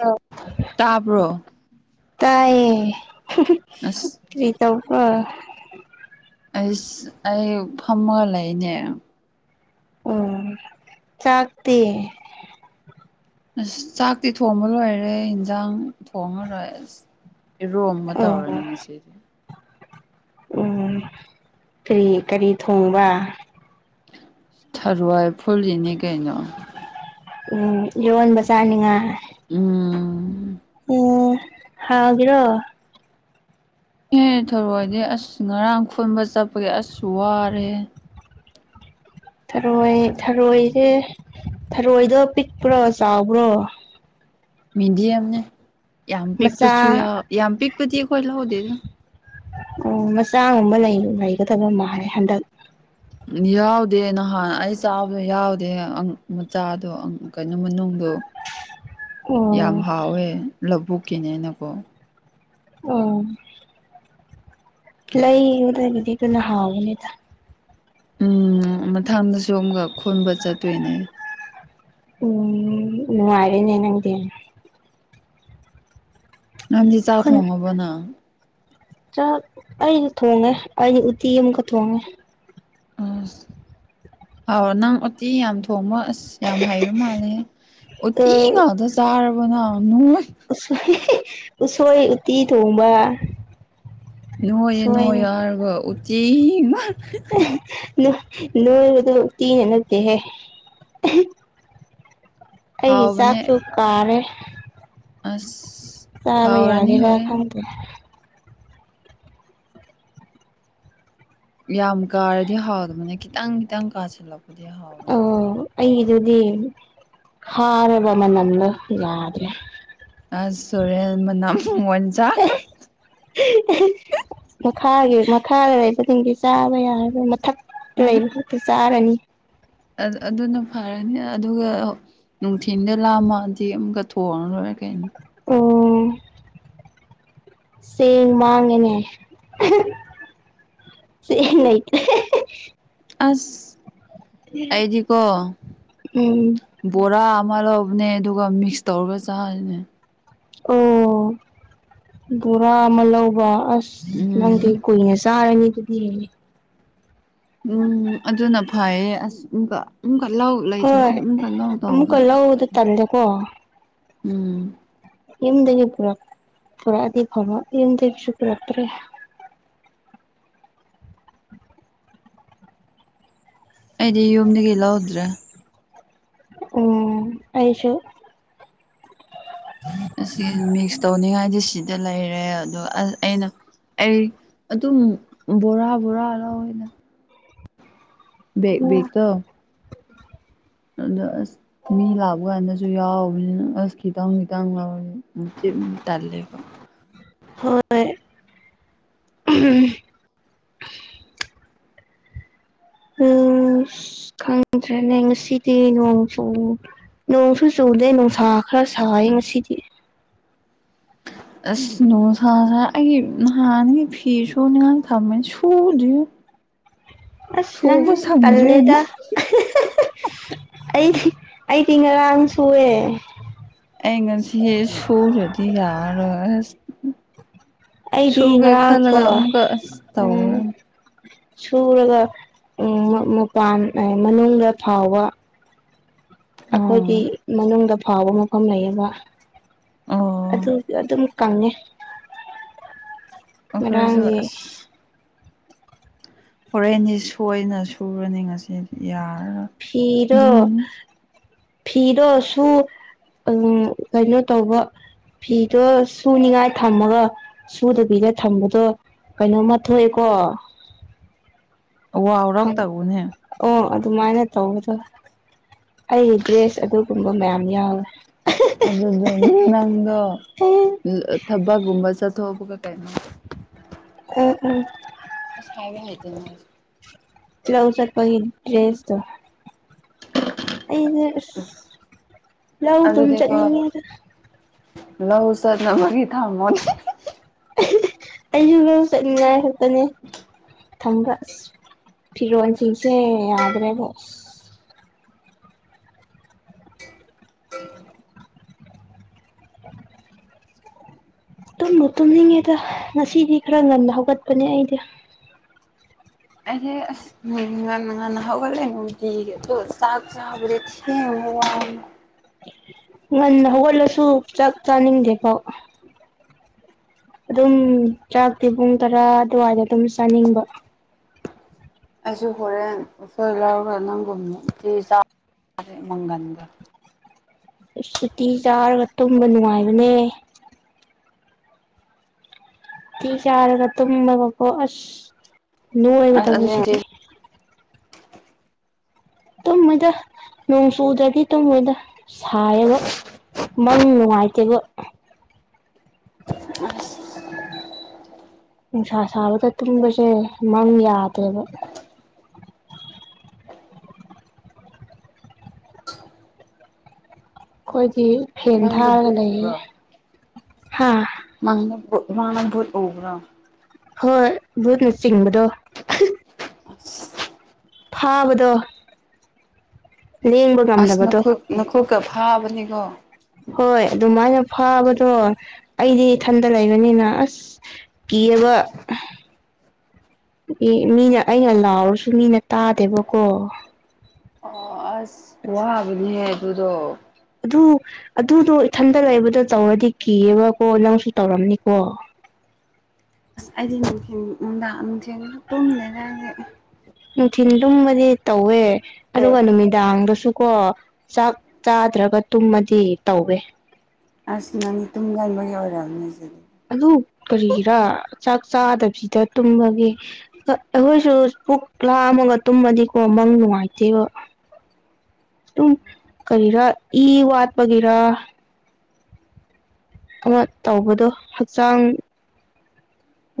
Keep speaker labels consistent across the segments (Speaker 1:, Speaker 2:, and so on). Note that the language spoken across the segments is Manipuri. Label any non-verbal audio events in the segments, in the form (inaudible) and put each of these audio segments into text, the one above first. Speaker 1: ꯑ
Speaker 2: ꯇꯥꯕ꯭ꯔꯣ
Speaker 1: ꯇꯥꯏꯌꯦ
Speaker 2: ꯑꯁ
Speaker 1: ꯇꯧ
Speaker 2: ꯑꯩꯁ ꯑꯩ ꯐꯝꯃꯒ ꯂꯩꯅꯦ
Speaker 1: ꯎ ꯆꯥꯛꯇ
Speaker 2: ꯑꯁ ꯆꯥꯛꯇꯤ ꯊꯣꯡꯕ ꯂꯣꯏꯔꯦ ꯏꯟꯖꯥꯡ ꯊꯣꯡꯉꯔꯣꯏ ꯑꯁ ꯏꯔꯣꯒ
Speaker 1: ꯑꯣ
Speaker 2: ꯇꯧꯔꯅꯤ ꯉꯁꯤꯗꯤ
Speaker 1: ꯎꯝ ꯀꯔꯤ ꯀꯔꯤ ꯊꯣꯡꯕ
Speaker 2: ꯊꯔꯋꯥꯏ ꯐꯨꯜꯁꯤꯅꯦ ꯀꯩꯅꯣ
Speaker 1: ꯎꯝ ꯌꯣꯟꯕ ꯆꯥꯅꯤꯡꯉ
Speaker 2: ꯎꯝ
Speaker 1: ꯎꯝ ꯍꯦꯔꯣ
Speaker 2: ꯑ ꯍꯥꯏ ꯊꯧꯔꯛꯑꯣꯗꯤ ꯑꯁ ꯉꯔꯥꯡ ꯈꯨꯟꯕ ꯆꯠꯄꯒꯤꯦ ꯑꯁꯨ ꯋꯥꯔꯦ
Speaker 1: ꯊꯔꯣꯏ ꯊꯔꯣꯏꯁꯦ ꯊꯔꯣꯏꯗꯣ ꯄꯤꯛꯄ꯭ꯔꯣ ꯆꯥꯎꯕ꯭ꯔꯣ
Speaker 2: ꯃꯤꯦꯗꯤꯌꯝꯅꯦ ꯌꯥꯝ
Speaker 1: ꯃꯆꯥ
Speaker 2: ꯄꯤꯛꯄꯁꯨ ꯌꯥꯎ ꯌꯥꯝ ꯄꯤꯛꯄꯗꯤ ꯑꯩꯈꯣꯏ ꯂꯧꯍꯗꯦꯗ
Speaker 1: ꯑꯣ ꯃꯆꯥꯒꯨꯝꯕ ꯂꯩꯒꯗꯕ ꯃꯥꯜ ꯍꯟꯗꯛ
Speaker 2: ꯌꯥꯎꯗꯦ ꯅꯍꯥꯟ ꯑꯩ ꯆꯥꯕꯗꯣ ꯌꯥꯎꯗꯦ ꯃꯆꯥꯗꯣ ꯀꯩꯅꯣ ꯃꯅꯨꯡ ꯑꯗꯣ ꯌꯥꯝ
Speaker 1: ꯑꯣ
Speaker 2: ꯍꯥꯎꯋꯦ ꯂꯧꯕꯨꯛꯀꯤꯅꯦꯅꯀꯣ
Speaker 1: ꯑꯣ ꯂꯩ ꯑꯣꯗꯗꯤ ꯑꯗꯨꯅꯍꯥꯎꯒꯅꯤꯗ
Speaker 2: ꯎꯝ ꯃꯊꯪꯗꯁꯨ ꯑꯃꯨꯛꯀ ꯈꯣꯟꯕ ꯆꯠꯇꯣꯏꯅꯦ
Speaker 1: ꯎꯝ ꯍꯥꯏꯅꯦꯅꯪꯗꯤ
Speaker 2: ꯅꯪꯗꯤ ꯆꯥꯛ ꯊꯣꯡꯉꯕꯅ
Speaker 1: ꯑꯩꯁꯨ ꯊꯣꯡꯉꯦ ꯑꯩꯩꯅ ꯎꯇꯤ ꯑꯃꯨꯛꯀ ꯊꯣꯡꯉꯦ
Speaker 2: ꯑ ꯍꯥꯎ ꯅꯪ ꯎꯇꯤ ꯌꯥꯝ ꯊꯣꯡꯕ ꯑꯁ ꯌꯥꯝ ꯍꯩꯕ ꯃꯥꯜꯂꯦ ꯑꯇ ꯉꯍꯗ ꯆꯥꯔꯕꯅ
Speaker 1: ꯎꯁꯣꯏ ꯎꯁꯣꯏ ꯎꯇꯤ ꯊꯣꯡꯕ
Speaker 2: ꯅꯣꯏꯌꯦꯦ
Speaker 1: ꯁꯣꯏ
Speaker 2: ꯅꯣꯏ ꯌꯥꯔꯒ ꯎꯆ ꯎꯆꯤ
Speaker 1: ꯂꯣꯏꯔꯗꯨ ꯇꯤ ꯅꯅꯠꯇꯦꯍꯦ ꯑꯩꯒꯤ
Speaker 2: ꯍꯥꯎꯕꯅꯦ
Speaker 1: ꯆꯥꯛꯁꯨ ꯀꯥꯔꯦ
Speaker 2: ꯑꯁ
Speaker 1: ꯆꯕꯩ
Speaker 2: ꯍꯥꯎꯔꯅꯤ
Speaker 1: ꯌꯥꯒꯤ ꯔ ꯈ
Speaker 2: ꯍꯣꯔꯦꯟ
Speaker 1: ꯅꯗꯤ
Speaker 2: ꯌꯥꯝ ꯀꯥꯔꯗꯤ ꯍꯥꯎꯗꯕꯅꯦ ꯈꯤꯇꯪ ꯈꯤꯇꯪ ꯀꯥꯁꯤꯜꯂꯛꯄꯗꯤ ꯍꯥꯎꯕꯅꯦꯕ
Speaker 1: ꯑꯗꯨꯗꯤ ꯐꯥꯔꯕ ꯃꯅꯝꯗꯣ ꯌꯥꯗ꯭ꯔꯦ
Speaker 2: ꯑ ꯁꯨꯔꯦꯜ ꯃꯅ
Speaker 1: ꯃꯈꯥꯒꯤ ꯃꯈꯥ ꯂꯩ ꯨꯡꯒꯤ ꯆꯥꯕ ꯌꯥꯔꯒ ꯃꯊꯛ ꯂꯩꯕ ꯈꯛꯇ ꯆꯥꯔꯅꯤ
Speaker 2: ꯑꯗꯨꯅ ꯐꯔꯅꯤ ꯑꯗꯨꯒ ꯅꯨꯡꯊꯤꯟꯗ ꯂꯥꯝꯃꯗꯤ ꯑꯃꯨꯛꯀ ꯊꯑ ꯂꯣꯏꯔ ꯀ
Speaker 1: ꯑꯣ ꯁ ꯃꯥꯡ ꯑꯦꯅꯦ ꯁꯤ ꯅ
Speaker 2: ꯑꯁ ꯑꯩꯗꯤ ꯀꯣ
Speaker 1: ꯎꯝ
Speaker 2: ꯣꯔꯥ ꯃꯥꯜꯍꯧꯕꯅꯦ ꯑꯗꯨꯒ ꯃꯤꯛꯁ ꯇꯧꯔꯒ ꯆꯥꯁꯤꯅꯦ
Speaker 1: ꯑꯣ ꯕꯣꯔꯥ ꯑꯃ ꯂꯧꯕ ꯑꯁ ꯃꯗꯤ
Speaker 2: ꯎꯝ
Speaker 1: ꯀꯣꯏꯅꯦ ꯁꯔꯅꯤ ꯀꯗꯤ
Speaker 2: ꯎꯝ ꯑꯗꯨꯅ ꯐꯩꯌꯦ ꯑꯁ ꯀꯜꯂꯥꯎ ꯎ ꯂꯩ ꯆ ꯊꯦ
Speaker 1: ꯍꯣꯏ
Speaker 2: ꯑꯃ ꯀꯜꯂꯥꯎ
Speaker 1: ꯑꯃꯨꯛꯀ
Speaker 2: ꯇꯥꯎꯅꯁ ꯇ
Speaker 1: ꯂꯧꯕꯗ ꯇꯜꯂꯦꯀꯣ
Speaker 2: ꯎꯝ
Speaker 1: ꯌꯨꯝꯗꯒꯤ ꯄꯨꯔꯛꯑꯗꯤ ꯐꯪꯉ ꯌꯨꯝꯗꯒꯤꯁꯨ ꯄꯨꯔꯛꯇ꯭ꯔꯦ
Speaker 2: ꯑꯩꯗꯤ ꯌꯨꯝꯗꯒꯤ ꯂꯧꯗ꯭ꯔꯦ
Speaker 1: ꯎꯝ ꯑꯌꯦꯁꯣ
Speaker 2: ꯑꯁꯤ ꯃꯤꯛꯁ ꯇꯧꯅꯤꯡꯉꯥꯏꯗꯤ ꯁꯤꯗ ꯂꯩꯔꯦ ꯑꯗꯨꯒ ꯑ ꯑꯩꯅ ꯑꯩ ꯑꯗꯨꯝ ꯕꯣꯔꯥ ꯕꯣꯔꯥ ꯂꯧꯋꯦꯅ ꯦꯛ ꯒꯛꯇꯣ ꯑꯗ ꯑꯁ ꯃꯤ ꯂꯥꯛꯄ ꯀꯥꯟꯗꯁꯨ ꯌꯥꯎꯕꯅꯤꯅ ꯑꯁ ꯈꯤꯇꯪ ꯈꯤꯇꯪ ꯂꯧꯋꯤ ꯇꯂꯦꯕ
Speaker 1: ꯍꯣꯏ ꯎꯝ ꯈꯪꯗ꯭ꯔꯦ ꯅ ꯉꯁꯤꯗꯤ ꯅꯁꯨ ꯅꯣꯡꯁꯨ ꯆꯨꯗꯦ ꯅꯨꯡ ꯁꯥꯥ ꯈꯔ ꯁꯌꯦ ꯉꯁꯤꯗꯤ
Speaker 2: ꯑꯁ ꯅꯣ ꯁꯥꯥꯁ ꯑꯩꯒꯤ ꯅꯍꯥꯟꯒꯤ ꯐꯤ ꯁꯨꯅꯤꯡꯍꯥꯟ ꯊꯃ ꯁꯨꯗ꯭ꯨ
Speaker 1: ꯑꯁ ꯅꯪ ꯄꯜꯂꯦꯗ
Speaker 2: ꯁꯪꯗ꯭ꯔꯦꯅ
Speaker 1: ꯑꯩ ꯑꯩ ꯇꯤ ꯉꯔꯥꯡ ꯁꯨꯑꯦ
Speaker 2: ꯑꯩ ꯉꯁꯤ ꯁꯣꯗꯤ ꯌꯥꯔ
Speaker 1: ꯑꯩꯗꯤ ꯉꯔꯥꯡꯀꯣ
Speaker 2: ꯑꯃꯨꯛꯀ ꯑꯁ
Speaker 1: ꯎꯝ
Speaker 2: ꯇꯧꯔꯅꯤ
Speaker 1: ꯁꯨꯔꯒ ꯎ ꯃꯄꯥꯟ ꯃꯅꯨꯡꯗ ꯐꯥꯎꯕ ꯑꯩꯈꯣꯏꯒꯤ
Speaker 2: ꯎꯝ
Speaker 1: ꯃꯅꯨꯡꯗ ꯐꯥꯎꯕ ꯃꯐꯝ ꯂꯩꯌꯦꯕ
Speaker 2: ꯑꯣ
Speaker 1: ꯑꯗꯨ ꯑꯗꯨꯝ ꯀ
Speaker 2: ꯑꯣꯈꯣꯏꯁꯨ ꯑꯁ ꯍꯣꯔꯦꯟꯅꯤ ꯁꯣꯏꯅ ꯁꯨꯔꯅꯤ ꯉꯁꯤꯗꯤ ꯌꯥꯔ
Speaker 1: ꯐꯤꯔꯣ ꯐꯤꯔꯣ ꯁꯨ ꯎꯝ ꯀꯩꯅꯣ ꯇꯧꯕ ꯐꯤꯗꯣ ꯁꯨꯅꯤꯉꯥꯏ ꯊꯝꯃꯒ ꯁꯨꯗꯕꯤꯗ ꯊꯝꯕꯗꯣ ꯀꯩꯅꯣꯝꯃ ꯊꯣꯛꯑꯦꯀꯣ
Speaker 2: ꯋꯥ ꯍꯧꯔꯛꯇꯕꯨꯅꯦ
Speaker 1: ꯑꯣ ꯑꯗꯨꯃꯥꯏꯅ ꯇꯧꯕꯗꯣ ꯑꯩꯒꯤ ꯗ꯭ꯔꯦꯁ ꯑꯗꯨꯒꯨꯝꯕ ꯃꯌꯥꯝ ꯌꯥꯎꯋꯦ
Speaker 2: ꯑꯗꯨ ꯅꯪ
Speaker 1: ꯑꯦ
Speaker 2: ꯊꯕꯛꯒꯨꯝꯕ ꯆ ꯊꯣꯕꯒ ꯀꯥꯏꯅꯣ
Speaker 1: ꯎꯝ ꯎꯝ
Speaker 2: ꯇ
Speaker 1: ꯭ꯂꯎꯖ ꯄꯒꯤ ꯗ꯭ꯔꯦꯁꯗ ꯑꯩꯅ ꯑ ꯂꯧꯗꯨꯝ ꯆꯠꯅꯤꯡꯉꯤꯗ
Speaker 2: ꯂꯍ ꯁꯗꯅ ꯐꯒꯤ ꯊꯥꯡꯃꯣ
Speaker 1: ꯑꯩꯁꯨ ꯂ ꯆꯠꯅꯤꯡꯉꯥꯏ ꯈꯛꯇꯅꯦ ꯊꯝꯕ ꯑꯁ ꯐꯤꯔꯣꯟꯁꯤꯡꯁꯦ ꯌꯥꯗ꯭ꯔꯦꯕꯣ ꯑ ꯇꯨꯝꯅꯨ ꯇꯨꯝꯅꯤꯡꯉꯦꯗ ꯉꯁꯤꯗꯤ ꯈꯔ ꯉꯟꯅ ꯍꯧꯒꯠꯄꯅꯦ ꯑꯩꯗꯤ
Speaker 2: ꯑꯦ ꯑꯁ ꯎ ꯉ ꯉꯥꯟ ꯍꯒꯂꯦꯅꯨꯡꯗꯤ ꯑꯗꯨꯣ ꯆꯥꯛ ꯆꯕꯦ ꯊꯦ ꯋꯥ
Speaker 1: ꯉꯟꯅ ꯍꯧꯒꯠꯂꯁꯨ ꯆꯥꯛ ꯆꯥꯅꯤꯡꯗꯦ ꯐꯥꯎ
Speaker 2: ꯎꯝ
Speaker 1: ꯑꯗꯨꯝ ꯆꯥꯛꯇꯤ ꯄꯨꯡ ꯇꯔꯥ ꯑꯗꯨꯋꯥꯏꯗ ꯑꯗꯨꯝ ꯆꯥꯅꯤꯡꯕ
Speaker 2: ꯑꯩꯁꯨ ꯍꯣꯔꯦꯟ ꯍꯣꯏ ꯂꯧꯔꯒ ꯅꯪꯒꯨꯝꯃꯛꯇꯤ ꯆꯥꯎ ꯃꯪꯒꯟꯒ
Speaker 1: ꯁꯨꯇꯤ ꯆꯥꯔꯒ ꯇꯨꯝꯕ ꯅꯨꯡꯉꯥꯏꯕꯅꯦ ꯊ ꯀ ꯌꯥꯔꯒ ꯇꯨꯝꯒ ꯑꯁ ꯅꯣ ꯑꯩꯅ
Speaker 2: ꯑꯁ ꯑꯁꯦꯡꯕꯗꯤ
Speaker 1: ꯇꯝꯃꯤꯁꯤꯗꯤ ꯇꯨꯝꯃꯣꯏꯗ ꯅꯣꯡ ꯆꯨꯗꯗꯒꯤ ꯇꯨꯝꯃꯣꯏꯗ ꯁꯥꯏꯌꯦꯕ ꯃꯪ ꯅꯨꯡꯉꯥꯏꯇꯦꯕ ꯅꯨꯡꯁꯥ ꯁꯥꯕꯗ ꯇꯨꯝꯕꯁꯦ ꯃꯪ ꯌꯥꯗꯦꯕ ꯑꯩꯈꯣꯏꯗꯤ ꯐꯦꯟ
Speaker 2: ꯃꯪꯗ
Speaker 1: ꯊꯥꯔꯒ
Speaker 2: ꯕꯨꯠ
Speaker 1: ꯂꯩꯌꯦ
Speaker 2: ꯎꯕ꯭ꯔꯣ
Speaker 1: ꯍꯥ
Speaker 2: ꯃꯥꯅꯗ ꯑꯣꯕ꯭ꯔ
Speaker 1: ꯍꯣꯏ ꯚꯨꯠꯅ ꯆꯤꯡꯕꯗꯣ
Speaker 2: ꯑ
Speaker 1: ꯐꯥꯕꯗꯣ ꯂꯦꯡꯕ
Speaker 2: ꯑꯁ
Speaker 1: ꯉꯝꯗꯕꯗꯣ
Speaker 2: ꯅꯈꯨꯠ ꯅꯈꯨꯠꯀ ꯐꯥꯕꯅꯤꯀꯣ
Speaker 1: ꯍꯣꯏ ꯑꯗꯨꯃꯥꯏꯅ ꯐꯥꯕꯗꯣ ꯑꯩꯗꯤ ꯏꯊꯟꯗ ꯂꯩꯕꯅꯤꯅ ꯑꯁ ꯀꯤꯑꯕ ꯑꯦ ꯃꯤꯅ ꯑꯩꯅ ꯂꯥꯎꯔꯁꯨ ꯃꯤꯅ ꯇꯥꯗꯦꯕꯀꯣ
Speaker 2: ꯑꯣ ꯑꯁ ꯋꯥꯕꯅꯦꯍ ꯑꯗꯨꯗꯣ
Speaker 1: ꯑꯗꯨ ꯑꯗꯨꯗꯣ ꯏꯊꯟꯗ ꯂꯩꯕꯗ ꯇꯧꯔꯗꯤ ꯀꯤꯑꯕꯀꯣ ꯅꯪꯁꯨ ꯇꯧꯔꯝꯅꯤꯀꯣ (inaudible)
Speaker 2: ꯑꯁ ꯑꯩꯗꯤ ꯅꯨꯡꯊ ꯅꯨꯡꯗꯥꯡ ꯅꯨꯡꯊꯤ ꯇꯨꯝꯂꯦꯗ ꯑꯩꯗꯤ
Speaker 1: ꯅꯨꯡꯊꯤꯜꯗꯨꯨꯝꯕꯗꯤ ꯇꯧꯋꯦ ꯑꯗꯨꯒ ꯅꯨꯃꯤꯗꯥꯡꯗꯁꯨꯀꯣ ꯆꯥꯛ ꯆꯥꯗ꯭ꯔꯒ ꯇꯨꯝꯃꯗꯤ ꯇꯧꯋꯦ
Speaker 2: ꯖ
Speaker 1: ꯑꯗꯨ ꯀꯔꯤꯒꯤꯔꯥ ꯆꯥꯛ ꯆꯥꯗꯕꯁꯤꯗ ꯇꯨꯝꯃꯒꯦ ꯑꯩꯈꯣꯏꯁꯨ ꯄꯨꯛ ꯂꯥꯝꯃꯒ ꯇꯨꯝꯃꯗꯤꯀꯣ ꯆꯪꯅꯨꯡꯉꯥꯏꯇꯕ ꯎ ꯀꯔꯤꯔ ꯏ ꯋꯥꯠ ꯒꯦꯔ ꯑꯃ ꯇꯧꯕꯗꯣ ꯍꯛꯆꯥꯡ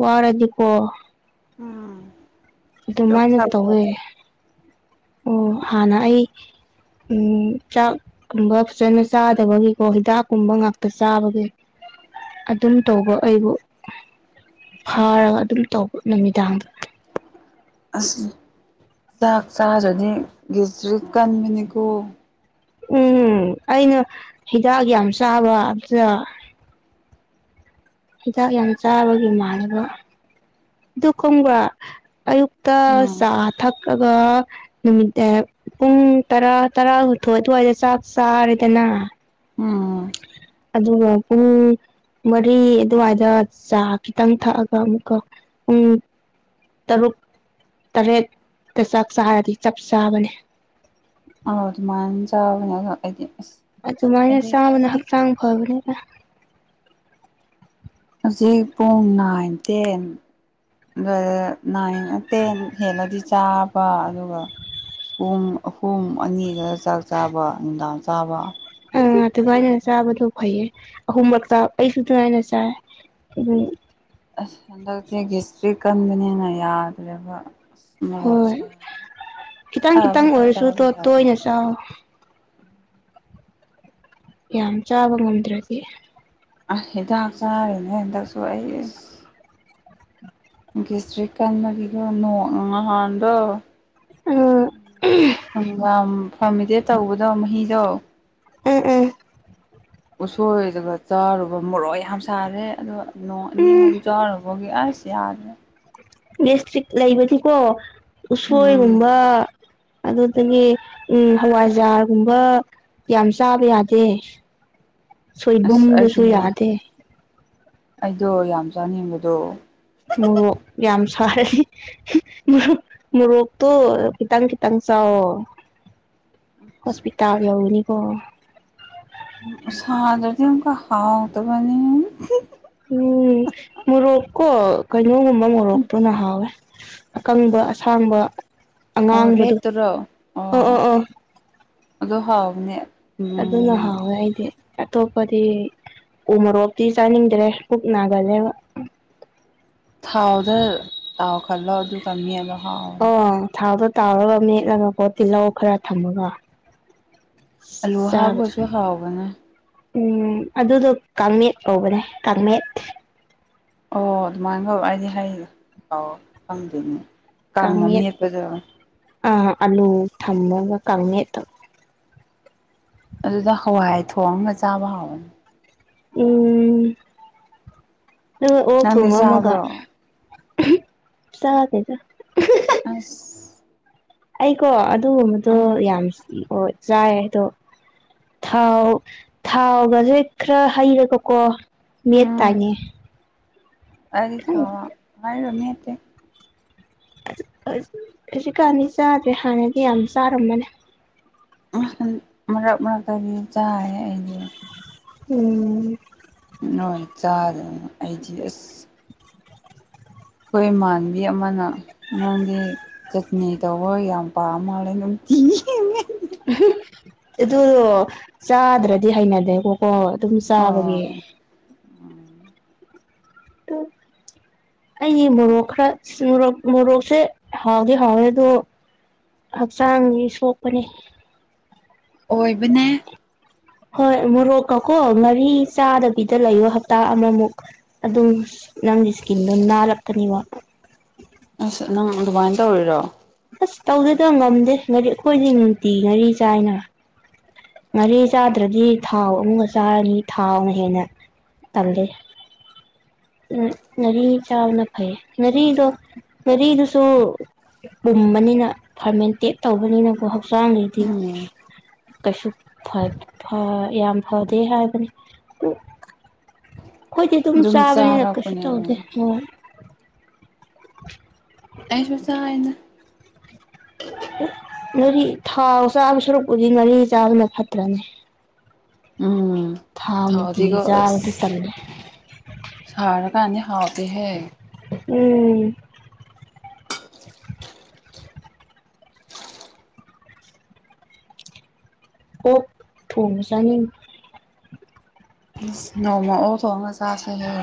Speaker 1: ꯋꯥꯔꯗꯤꯀꯣ
Speaker 2: ꯎꯝ ꯆ
Speaker 1: ꯑꯗꯨꯃꯥꯏꯅ
Speaker 2: ꯆ
Speaker 1: ꯇꯧꯋꯦ ꯑꯣ ꯍꯥꯟꯅ ꯑꯩ ꯎ ꯆꯥꯛꯀꯨꯝꯕ ꯐꯖꯅ ꯆꯥꯗꯕꯒꯤꯀꯣ ꯍꯤꯗꯥꯛꯀꯨꯝꯕ ꯉꯥꯛꯇ ꯆꯥꯕꯒꯤ ꯑꯗꯨꯝ ꯇꯧꯕ ꯑꯩꯕꯨ ꯐꯥꯔꯒ ꯑꯗꯨꯝ ꯇꯧꯕ ꯅꯨꯃꯤꯗꯥꯡꯗ
Speaker 2: ꯆꯥꯛ ꯆꯥꯔꯅꯤ ꯇ꯭ꯔꯤꯠ ꯀꯟꯕꯅꯤꯀꯣ
Speaker 1: ꯎꯝ ꯑꯩꯅ ꯍꯤꯗꯥꯛ ꯌꯥꯝ ꯆꯥꯕ ꯑꯗꯨꯗ ꯍꯤꯗꯥꯛ ꯌꯥꯝ ꯆꯥꯕꯒꯤ ꯃꯥꯟꯅꯕ ꯑꯗꯨꯒ ꯈꯣꯡꯕ꯭ꯔꯥ ꯑꯌꯨꯛꯇ
Speaker 2: ꯎꯝ
Speaker 1: ꯆꯥ ꯊꯛꯂꯒ ꯅꯨꯃꯤꯠ ꯄꯨꯡ ꯇꯔꯥ ꯇꯔꯥꯍꯊꯣꯏ ꯑꯗꯨꯋꯥꯏꯗ ꯆꯥꯛ ꯆꯥꯔꯦꯗꯅ
Speaker 2: ꯎꯝ
Speaker 1: ꯑꯗꯨ ꯄꯨꯡ ꯃꯔꯤ ꯑꯗꯨꯋꯥꯏꯗ ꯆꯥ ꯈꯤꯇꯪ ꯊꯛꯑꯒ ꯑꯃꯨꯛꯀ ꯄꯨꯡ ꯇꯔꯨꯛ ꯇꯔꯦꯠꯇ ꯆꯥꯛ ꯆꯥꯔꯗꯤ ꯆꯞ ꯆꯥꯕꯅꯦ
Speaker 2: ꯑ ꯑꯗꯨꯃꯥꯏꯅ ꯆꯥꯕꯅꯦ ꯑ ꯍꯥꯏꯗꯤ
Speaker 1: ꯑꯗꯨꯃꯥꯏꯅ ꯆꯥꯕꯅ ꯍꯛꯆꯥꯡ ꯐꯕꯅꯤꯗ
Speaker 2: ꯍꯧꯖꯤꯛ ꯄꯨꯡ ꯅꯥꯏꯟ ꯇꯦꯟ ꯑꯗꯨ ꯅꯥꯏꯟ ꯇꯦꯟ ꯍꯦꯜꯂꯗꯤ ꯆꯥꯕ ꯑꯗꯨꯒ ꯄꯨꯡ ꯑꯍꯨꯝ ꯑꯅꯤꯒ ꯆꯥꯛ ꯆꯥꯕ ꯅꯨꯡꯗꯥꯡ ꯆꯥꯕ
Speaker 1: ꯑ ꯑ ꯑꯗꯨꯀꯦ ꯆꯥꯕꯗꯣ ꯐꯩꯌꯦ ꯑꯍꯨꯝꯂꯛꯇ ꯑꯩꯁꯨ ꯅꯨꯡꯉꯥꯏꯅ ꯆꯥꯏ ꯑꯗꯨꯝ
Speaker 2: ꯁ꯭ꯔꯤꯀꯟꯗꯅꯦꯅ ꯌꯥꯗ꯭ꯔꯕ
Speaker 1: ꯍꯣꯏ ꯈꯤꯇꯪ ꯈꯤꯇꯪ
Speaker 2: ꯑꯁꯥꯕꯁꯨ
Speaker 1: ꯑꯣꯏꯔꯁꯨ
Speaker 2: ꯆꯥꯕ
Speaker 1: ꯇꯣ
Speaker 2: ꯌꯥꯗꯦ
Speaker 1: ꯇꯣꯏꯅ ꯆ ꯌꯥꯝ ꯆꯥꯕ ꯉꯝꯗ꯭ꯔꯗꯤ
Speaker 2: ꯑ ꯏꯗ ꯆꯥꯅꯦ ꯑꯦꯁꯨꯏꯁ ꯁꯇ꯭ꯔꯤꯛ ꯀꯟꯕꯒꯤꯗꯣ ꯅꯣꯡ ꯅꯍꯥꯟꯗꯣ ꯎꯝ
Speaker 1: ꯑꯥ
Speaker 2: ꯍꯪꯒꯥꯝ ꯐꯔꯃꯤꯗꯦꯠ ꯇꯧꯕꯗꯣ ꯃꯍꯤꯗꯣ
Speaker 1: ꯎꯝ ꯎꯝ
Speaker 2: ꯎꯁꯣꯏꯗꯨꯒ ꯆꯥꯔꯨꯕ ꯃꯣꯔꯣꯛ ꯌꯥꯝ ꯁꯥꯔꯦ ꯑ ꯅꯣꯡ ꯑꯅꯤ
Speaker 1: ꯎꯝ
Speaker 2: ꯑꯍꯨꯝ ꯆꯥꯔꯨꯕꯒꯤ ꯑꯩ ꯁꯤ ꯌꯥꯔꯅ
Speaker 1: ꯗꯤꯁꯇ꯭ꯔꯤꯛ ꯂꯩꯕꯅꯤꯀꯣ
Speaker 2: ꯎꯝ
Speaker 1: ꯎꯁꯣꯏꯒꯨꯝꯕ ꯑꯗꯨꯗꯒꯤ ꯎꯝ ꯍꯋꯥꯏꯖꯥꯔꯒꯨꯝꯕ ꯌꯥꯝ ꯆꯥꯕ ꯌꯥꯗꯦ
Speaker 2: ꯑꯁ
Speaker 1: ꯁꯣꯏꯕꯨꯝꯗꯁꯨꯏ
Speaker 2: ꯑꯩꯗꯤ
Speaker 1: ꯌꯥꯗꯦ
Speaker 2: ꯀꯨꯝꯖꯥꯅꯤꯡꯕꯗꯣ
Speaker 1: ꯃ ꯌꯥꯝ ꯐꯣꯛ ꯃꯣꯔꯣꯛꯇꯣ ꯈꯤꯇꯪ ꯈꯤꯇꯪ ꯆꯥꯎꯑꯣ ꯍꯣꯁꯄꯤꯇꯥꯜ ꯌꯥꯎꯅꯤꯀꯣ
Speaker 2: ꯁꯥꯗꯔꯗꯤ ꯑꯃꯨ ꯀ ꯍꯥꯎꯥꯎꯗꯕꯅꯤ
Speaker 1: ꯎꯝ ꯃꯣꯔꯣꯛꯀꯣ ꯀꯩꯅꯣꯒꯨꯝꯕ ꯃꯣꯔꯣꯛꯇꯣꯅ ꯍꯥꯎꯋꯦ ꯑꯀꯪꯕ ꯑꯁꯥꯡꯕ
Speaker 2: ꯑꯣ
Speaker 1: ꯑꯉꯥꯡꯕꯗꯣ
Speaker 2: ꯔꯦꯠꯇꯔꯣ ꯑꯣ ꯑꯗꯨꯣ ꯍꯥꯎꯕꯅꯦ
Speaker 1: ꯑꯗꯨꯅ
Speaker 2: ꯎꯝ
Speaker 1: ꯍꯥꯎꯋꯦ ꯑꯩꯗꯤ ꯑꯇꯣꯞꯄꯗꯤ ꯎꯃꯣꯔꯣꯛꯇꯤ ꯆꯥꯅꯤꯡꯗ꯭ꯔꯦ ꯄꯨꯛ ꯅꯥꯒꯜꯂꯦ
Speaker 2: ꯊꯥꯎꯗ ꯊꯥꯎ ꯈꯜꯂꯣ ꯑꯗꯨ ꯀꯝꯃꯤ ꯑꯗꯣ
Speaker 1: ꯑꯣ ꯊꯥꯗꯣ ꯇꯥꯎꯔꯒ ꯃꯦꯠꯂꯒ ꯄꯣꯠ ꯇꯤꯜꯍꯧ ꯈꯔ ꯊꯝꯃꯒ
Speaker 2: ꯑꯂꯨ
Speaker 1: ꯆꯥꯕꯗꯣ
Speaker 2: ꯍꯥꯎꯄꯁꯨ ꯍꯥꯎꯕꯅꯦ
Speaker 1: ꯎꯝ ꯑꯗꯨꯗꯣ ꯀꯥꯡꯃꯦꯠ ꯀꯧꯕꯅꯦ ꯀꯥꯡꯃꯦꯠ
Speaker 2: ꯑꯣ ꯑꯗꯨꯃꯥꯏꯅ ꯇꯧ ꯑꯩꯗꯤ ꯍꯥꯏꯥꯎ ꯈꯪꯗꯣꯏꯅꯦ ꯀꯥꯡꯅ ꯃꯤꯠꯄꯖꯔ
Speaker 1: ꯑ ꯑꯜꯂꯨ ꯊꯝꯒ ꯀꯃꯤ ꯑ ꯇꯕ
Speaker 2: ꯑꯗꯨꯗ ꯍꯋꯥꯏ ꯊꯣꯡꯉꯒ ꯆꯥꯕ ꯍꯥꯎꯕꯅꯤ
Speaker 1: ꯎꯝ
Speaker 2: ꯅꯪꯗꯤ
Speaker 1: ꯑꯣꯄꯃꯃꯒ
Speaker 2: ꯆꯥꯕ꯭ꯔꯣ
Speaker 1: ꯁꯥꯗꯖ
Speaker 2: ꯑ
Speaker 1: ꯑꯩꯀꯣ ꯑꯗꯨꯒꯨꯝꯕꯗꯣ ꯌꯥꯝ ꯆꯥꯏ ꯑꯗꯣ ꯊꯥꯎ ꯊꯥꯎꯒꯁꯦ ꯈꯔ ꯍꯩꯔꯒꯀꯣ ꯃꯇꯉ
Speaker 2: ꯑꯗꯤ ꯊꯥꯎ ꯍꯥꯏꯔꯣ ꯃꯠꯇ
Speaker 1: ꯍꯧꯖꯤꯛ ꯀꯥꯟꯅꯤ ꯆꯥꯗ꯭ꯔꯦ ꯍꯥꯟꯅꯗꯤ ꯌꯥꯝ ꯆꯥꯔꯝꯝꯕꯅꯤ
Speaker 2: ꯟ ꯃꯔꯛ ꯃꯔꯛꯇꯒꯤꯗꯤ ꯆꯥꯏ ꯑꯩꯗꯤ
Speaker 1: ꯎꯝ
Speaker 2: ꯅꯣꯏ ꯆꯥꯗꯅꯤ ꯑꯩꯗꯤ ꯑꯁ ꯑꯩꯈꯣꯏ ꯏꯃꯥꯟꯕꯤ ꯑꯃꯅ ꯅꯉꯥꯡꯗꯤ ꯆꯠꯅꯤ ꯇꯧꯕ ꯌꯥꯝ ꯄꯥ ꯃꯥꯜꯂꯦ ꯑꯗꯨꯝ ꯊ
Speaker 1: ꯑꯗꯨꯗꯣ ꯆꯥꯗ꯭ꯔꯗꯤ ꯍꯩꯅꯗꯦꯀꯣꯀꯣ ꯑꯗꯨꯝ ꯆꯥꯕꯒꯤ
Speaker 2: ꯎꯝ
Speaker 1: ꯇ ꯑꯩꯗꯤ ꯃꯣꯔꯣꯛ ꯈꯔ ꯃꯣꯔꯣꯛ ꯃꯣꯔꯣꯛꯁꯦ ꯍꯥꯎꯗꯤꯦ ꯍꯥꯎꯋꯦ ꯑꯣ ꯍꯛꯆꯥꯡꯒꯤ ꯁꯣꯛꯄꯅꯦ
Speaker 2: ꯑꯣꯏꯕꯅꯦ
Speaker 1: ꯍꯣꯏ ꯃꯔ ꯀꯀꯣ ꯂ ꯑꯩ ꯆꯥꯗꯕꯤꯗ ꯂꯩꯌ ꯍꯞꯇꯥ ꯑꯃꯃꯨꯛ ꯑꯗꯨꯝ ꯅꯪꯒꯤ ꯏꯁꯀꯤꯟꯗꯣ ꯅꯥꯜꯔꯛꯀꯅꯦꯕ (unintelligible)
Speaker 2: ꯑꯁ ꯅꯪ ꯑꯗꯨꯃꯥꯏꯅ ꯇꯧꯔꯤꯔꯣ
Speaker 1: ꯑꯁ ꯇꯧꯗꯗꯧ ꯉꯝꯗꯦ ꯉꯔꯤ ꯑꯩꯈꯣꯏꯗꯤ ꯅꯨꯡꯇꯤ ꯉꯥꯔꯤ ꯆꯥꯏꯅ ꯉꯥꯔꯤ ꯆꯥꯗ꯭ꯔꯗꯤ ꯊꯥꯎ ꯑꯃꯨꯝꯒ ꯆꯥꯔꯅꯤ ꯊꯥꯎꯅ ꯍꯦꯟꯅ ꯇꯗꯦ ꯎ ꯉꯥꯔꯤ ꯆꯥꯎꯅ ꯐꯩ ꯉꯥꯔꯤꯗꯣ ꯉꯥꯔꯤꯗꯨꯁꯨ ꯄꯨꯝꯕꯅꯤꯅ ꯐꯥꯔꯃꯦꯟꯇꯦꯠ ꯇꯧꯕꯅꯤꯅꯀꯣ ꯍꯛꯆꯥꯡꯗꯗꯤ
Speaker 2: ꯎꯝ
Speaker 1: ꯀꯩꯁꯨ ꯌꯥꯝ ꯐꯗꯦ ꯍꯥꯏꯕꯅꯤ ꯑꯩꯈꯣꯏꯗꯤ ꯑꯗꯨꯝ ꯆꯥꯕꯅꯤꯅ ꯀꯩꯁꯨ
Speaker 2: ꯆꯥꯔꯛꯄꯅꯦ
Speaker 1: ꯇꯧꯗꯦ
Speaker 2: ꯑꯗꯨꯝ
Speaker 1: ꯑꯣ (unintelligible)
Speaker 2: ꯑ ꯆꯥꯏꯅ
Speaker 1: ꯉꯔꯤ ꯊꯥꯎ ꯆꯥꯕ ꯁꯨꯔꯨꯛꯄꯨꯗꯤ ꯉꯥꯔꯤ ꯆꯥꯕꯅ ꯐꯠꯇ꯭ꯔꯅꯤ
Speaker 2: ꯎꯝ ꯍꯥꯎꯗꯤꯀꯣ ꯑꯁ
Speaker 1: ꯆꯥꯕꯗꯨ ꯇꯜꯂꯦ
Speaker 2: ꯁꯥꯔꯀꯥꯟꯗꯤ ꯍꯥꯎ ꯍ
Speaker 1: ꯎꯝ ꯍ ꯊꯣꯡ ꯆꯅꯤ
Speaker 2: ꯅꯣꯡꯃ ꯑꯣ ꯊꯣꯡꯒ ꯆꯥꯁꯦ ꯍꯦ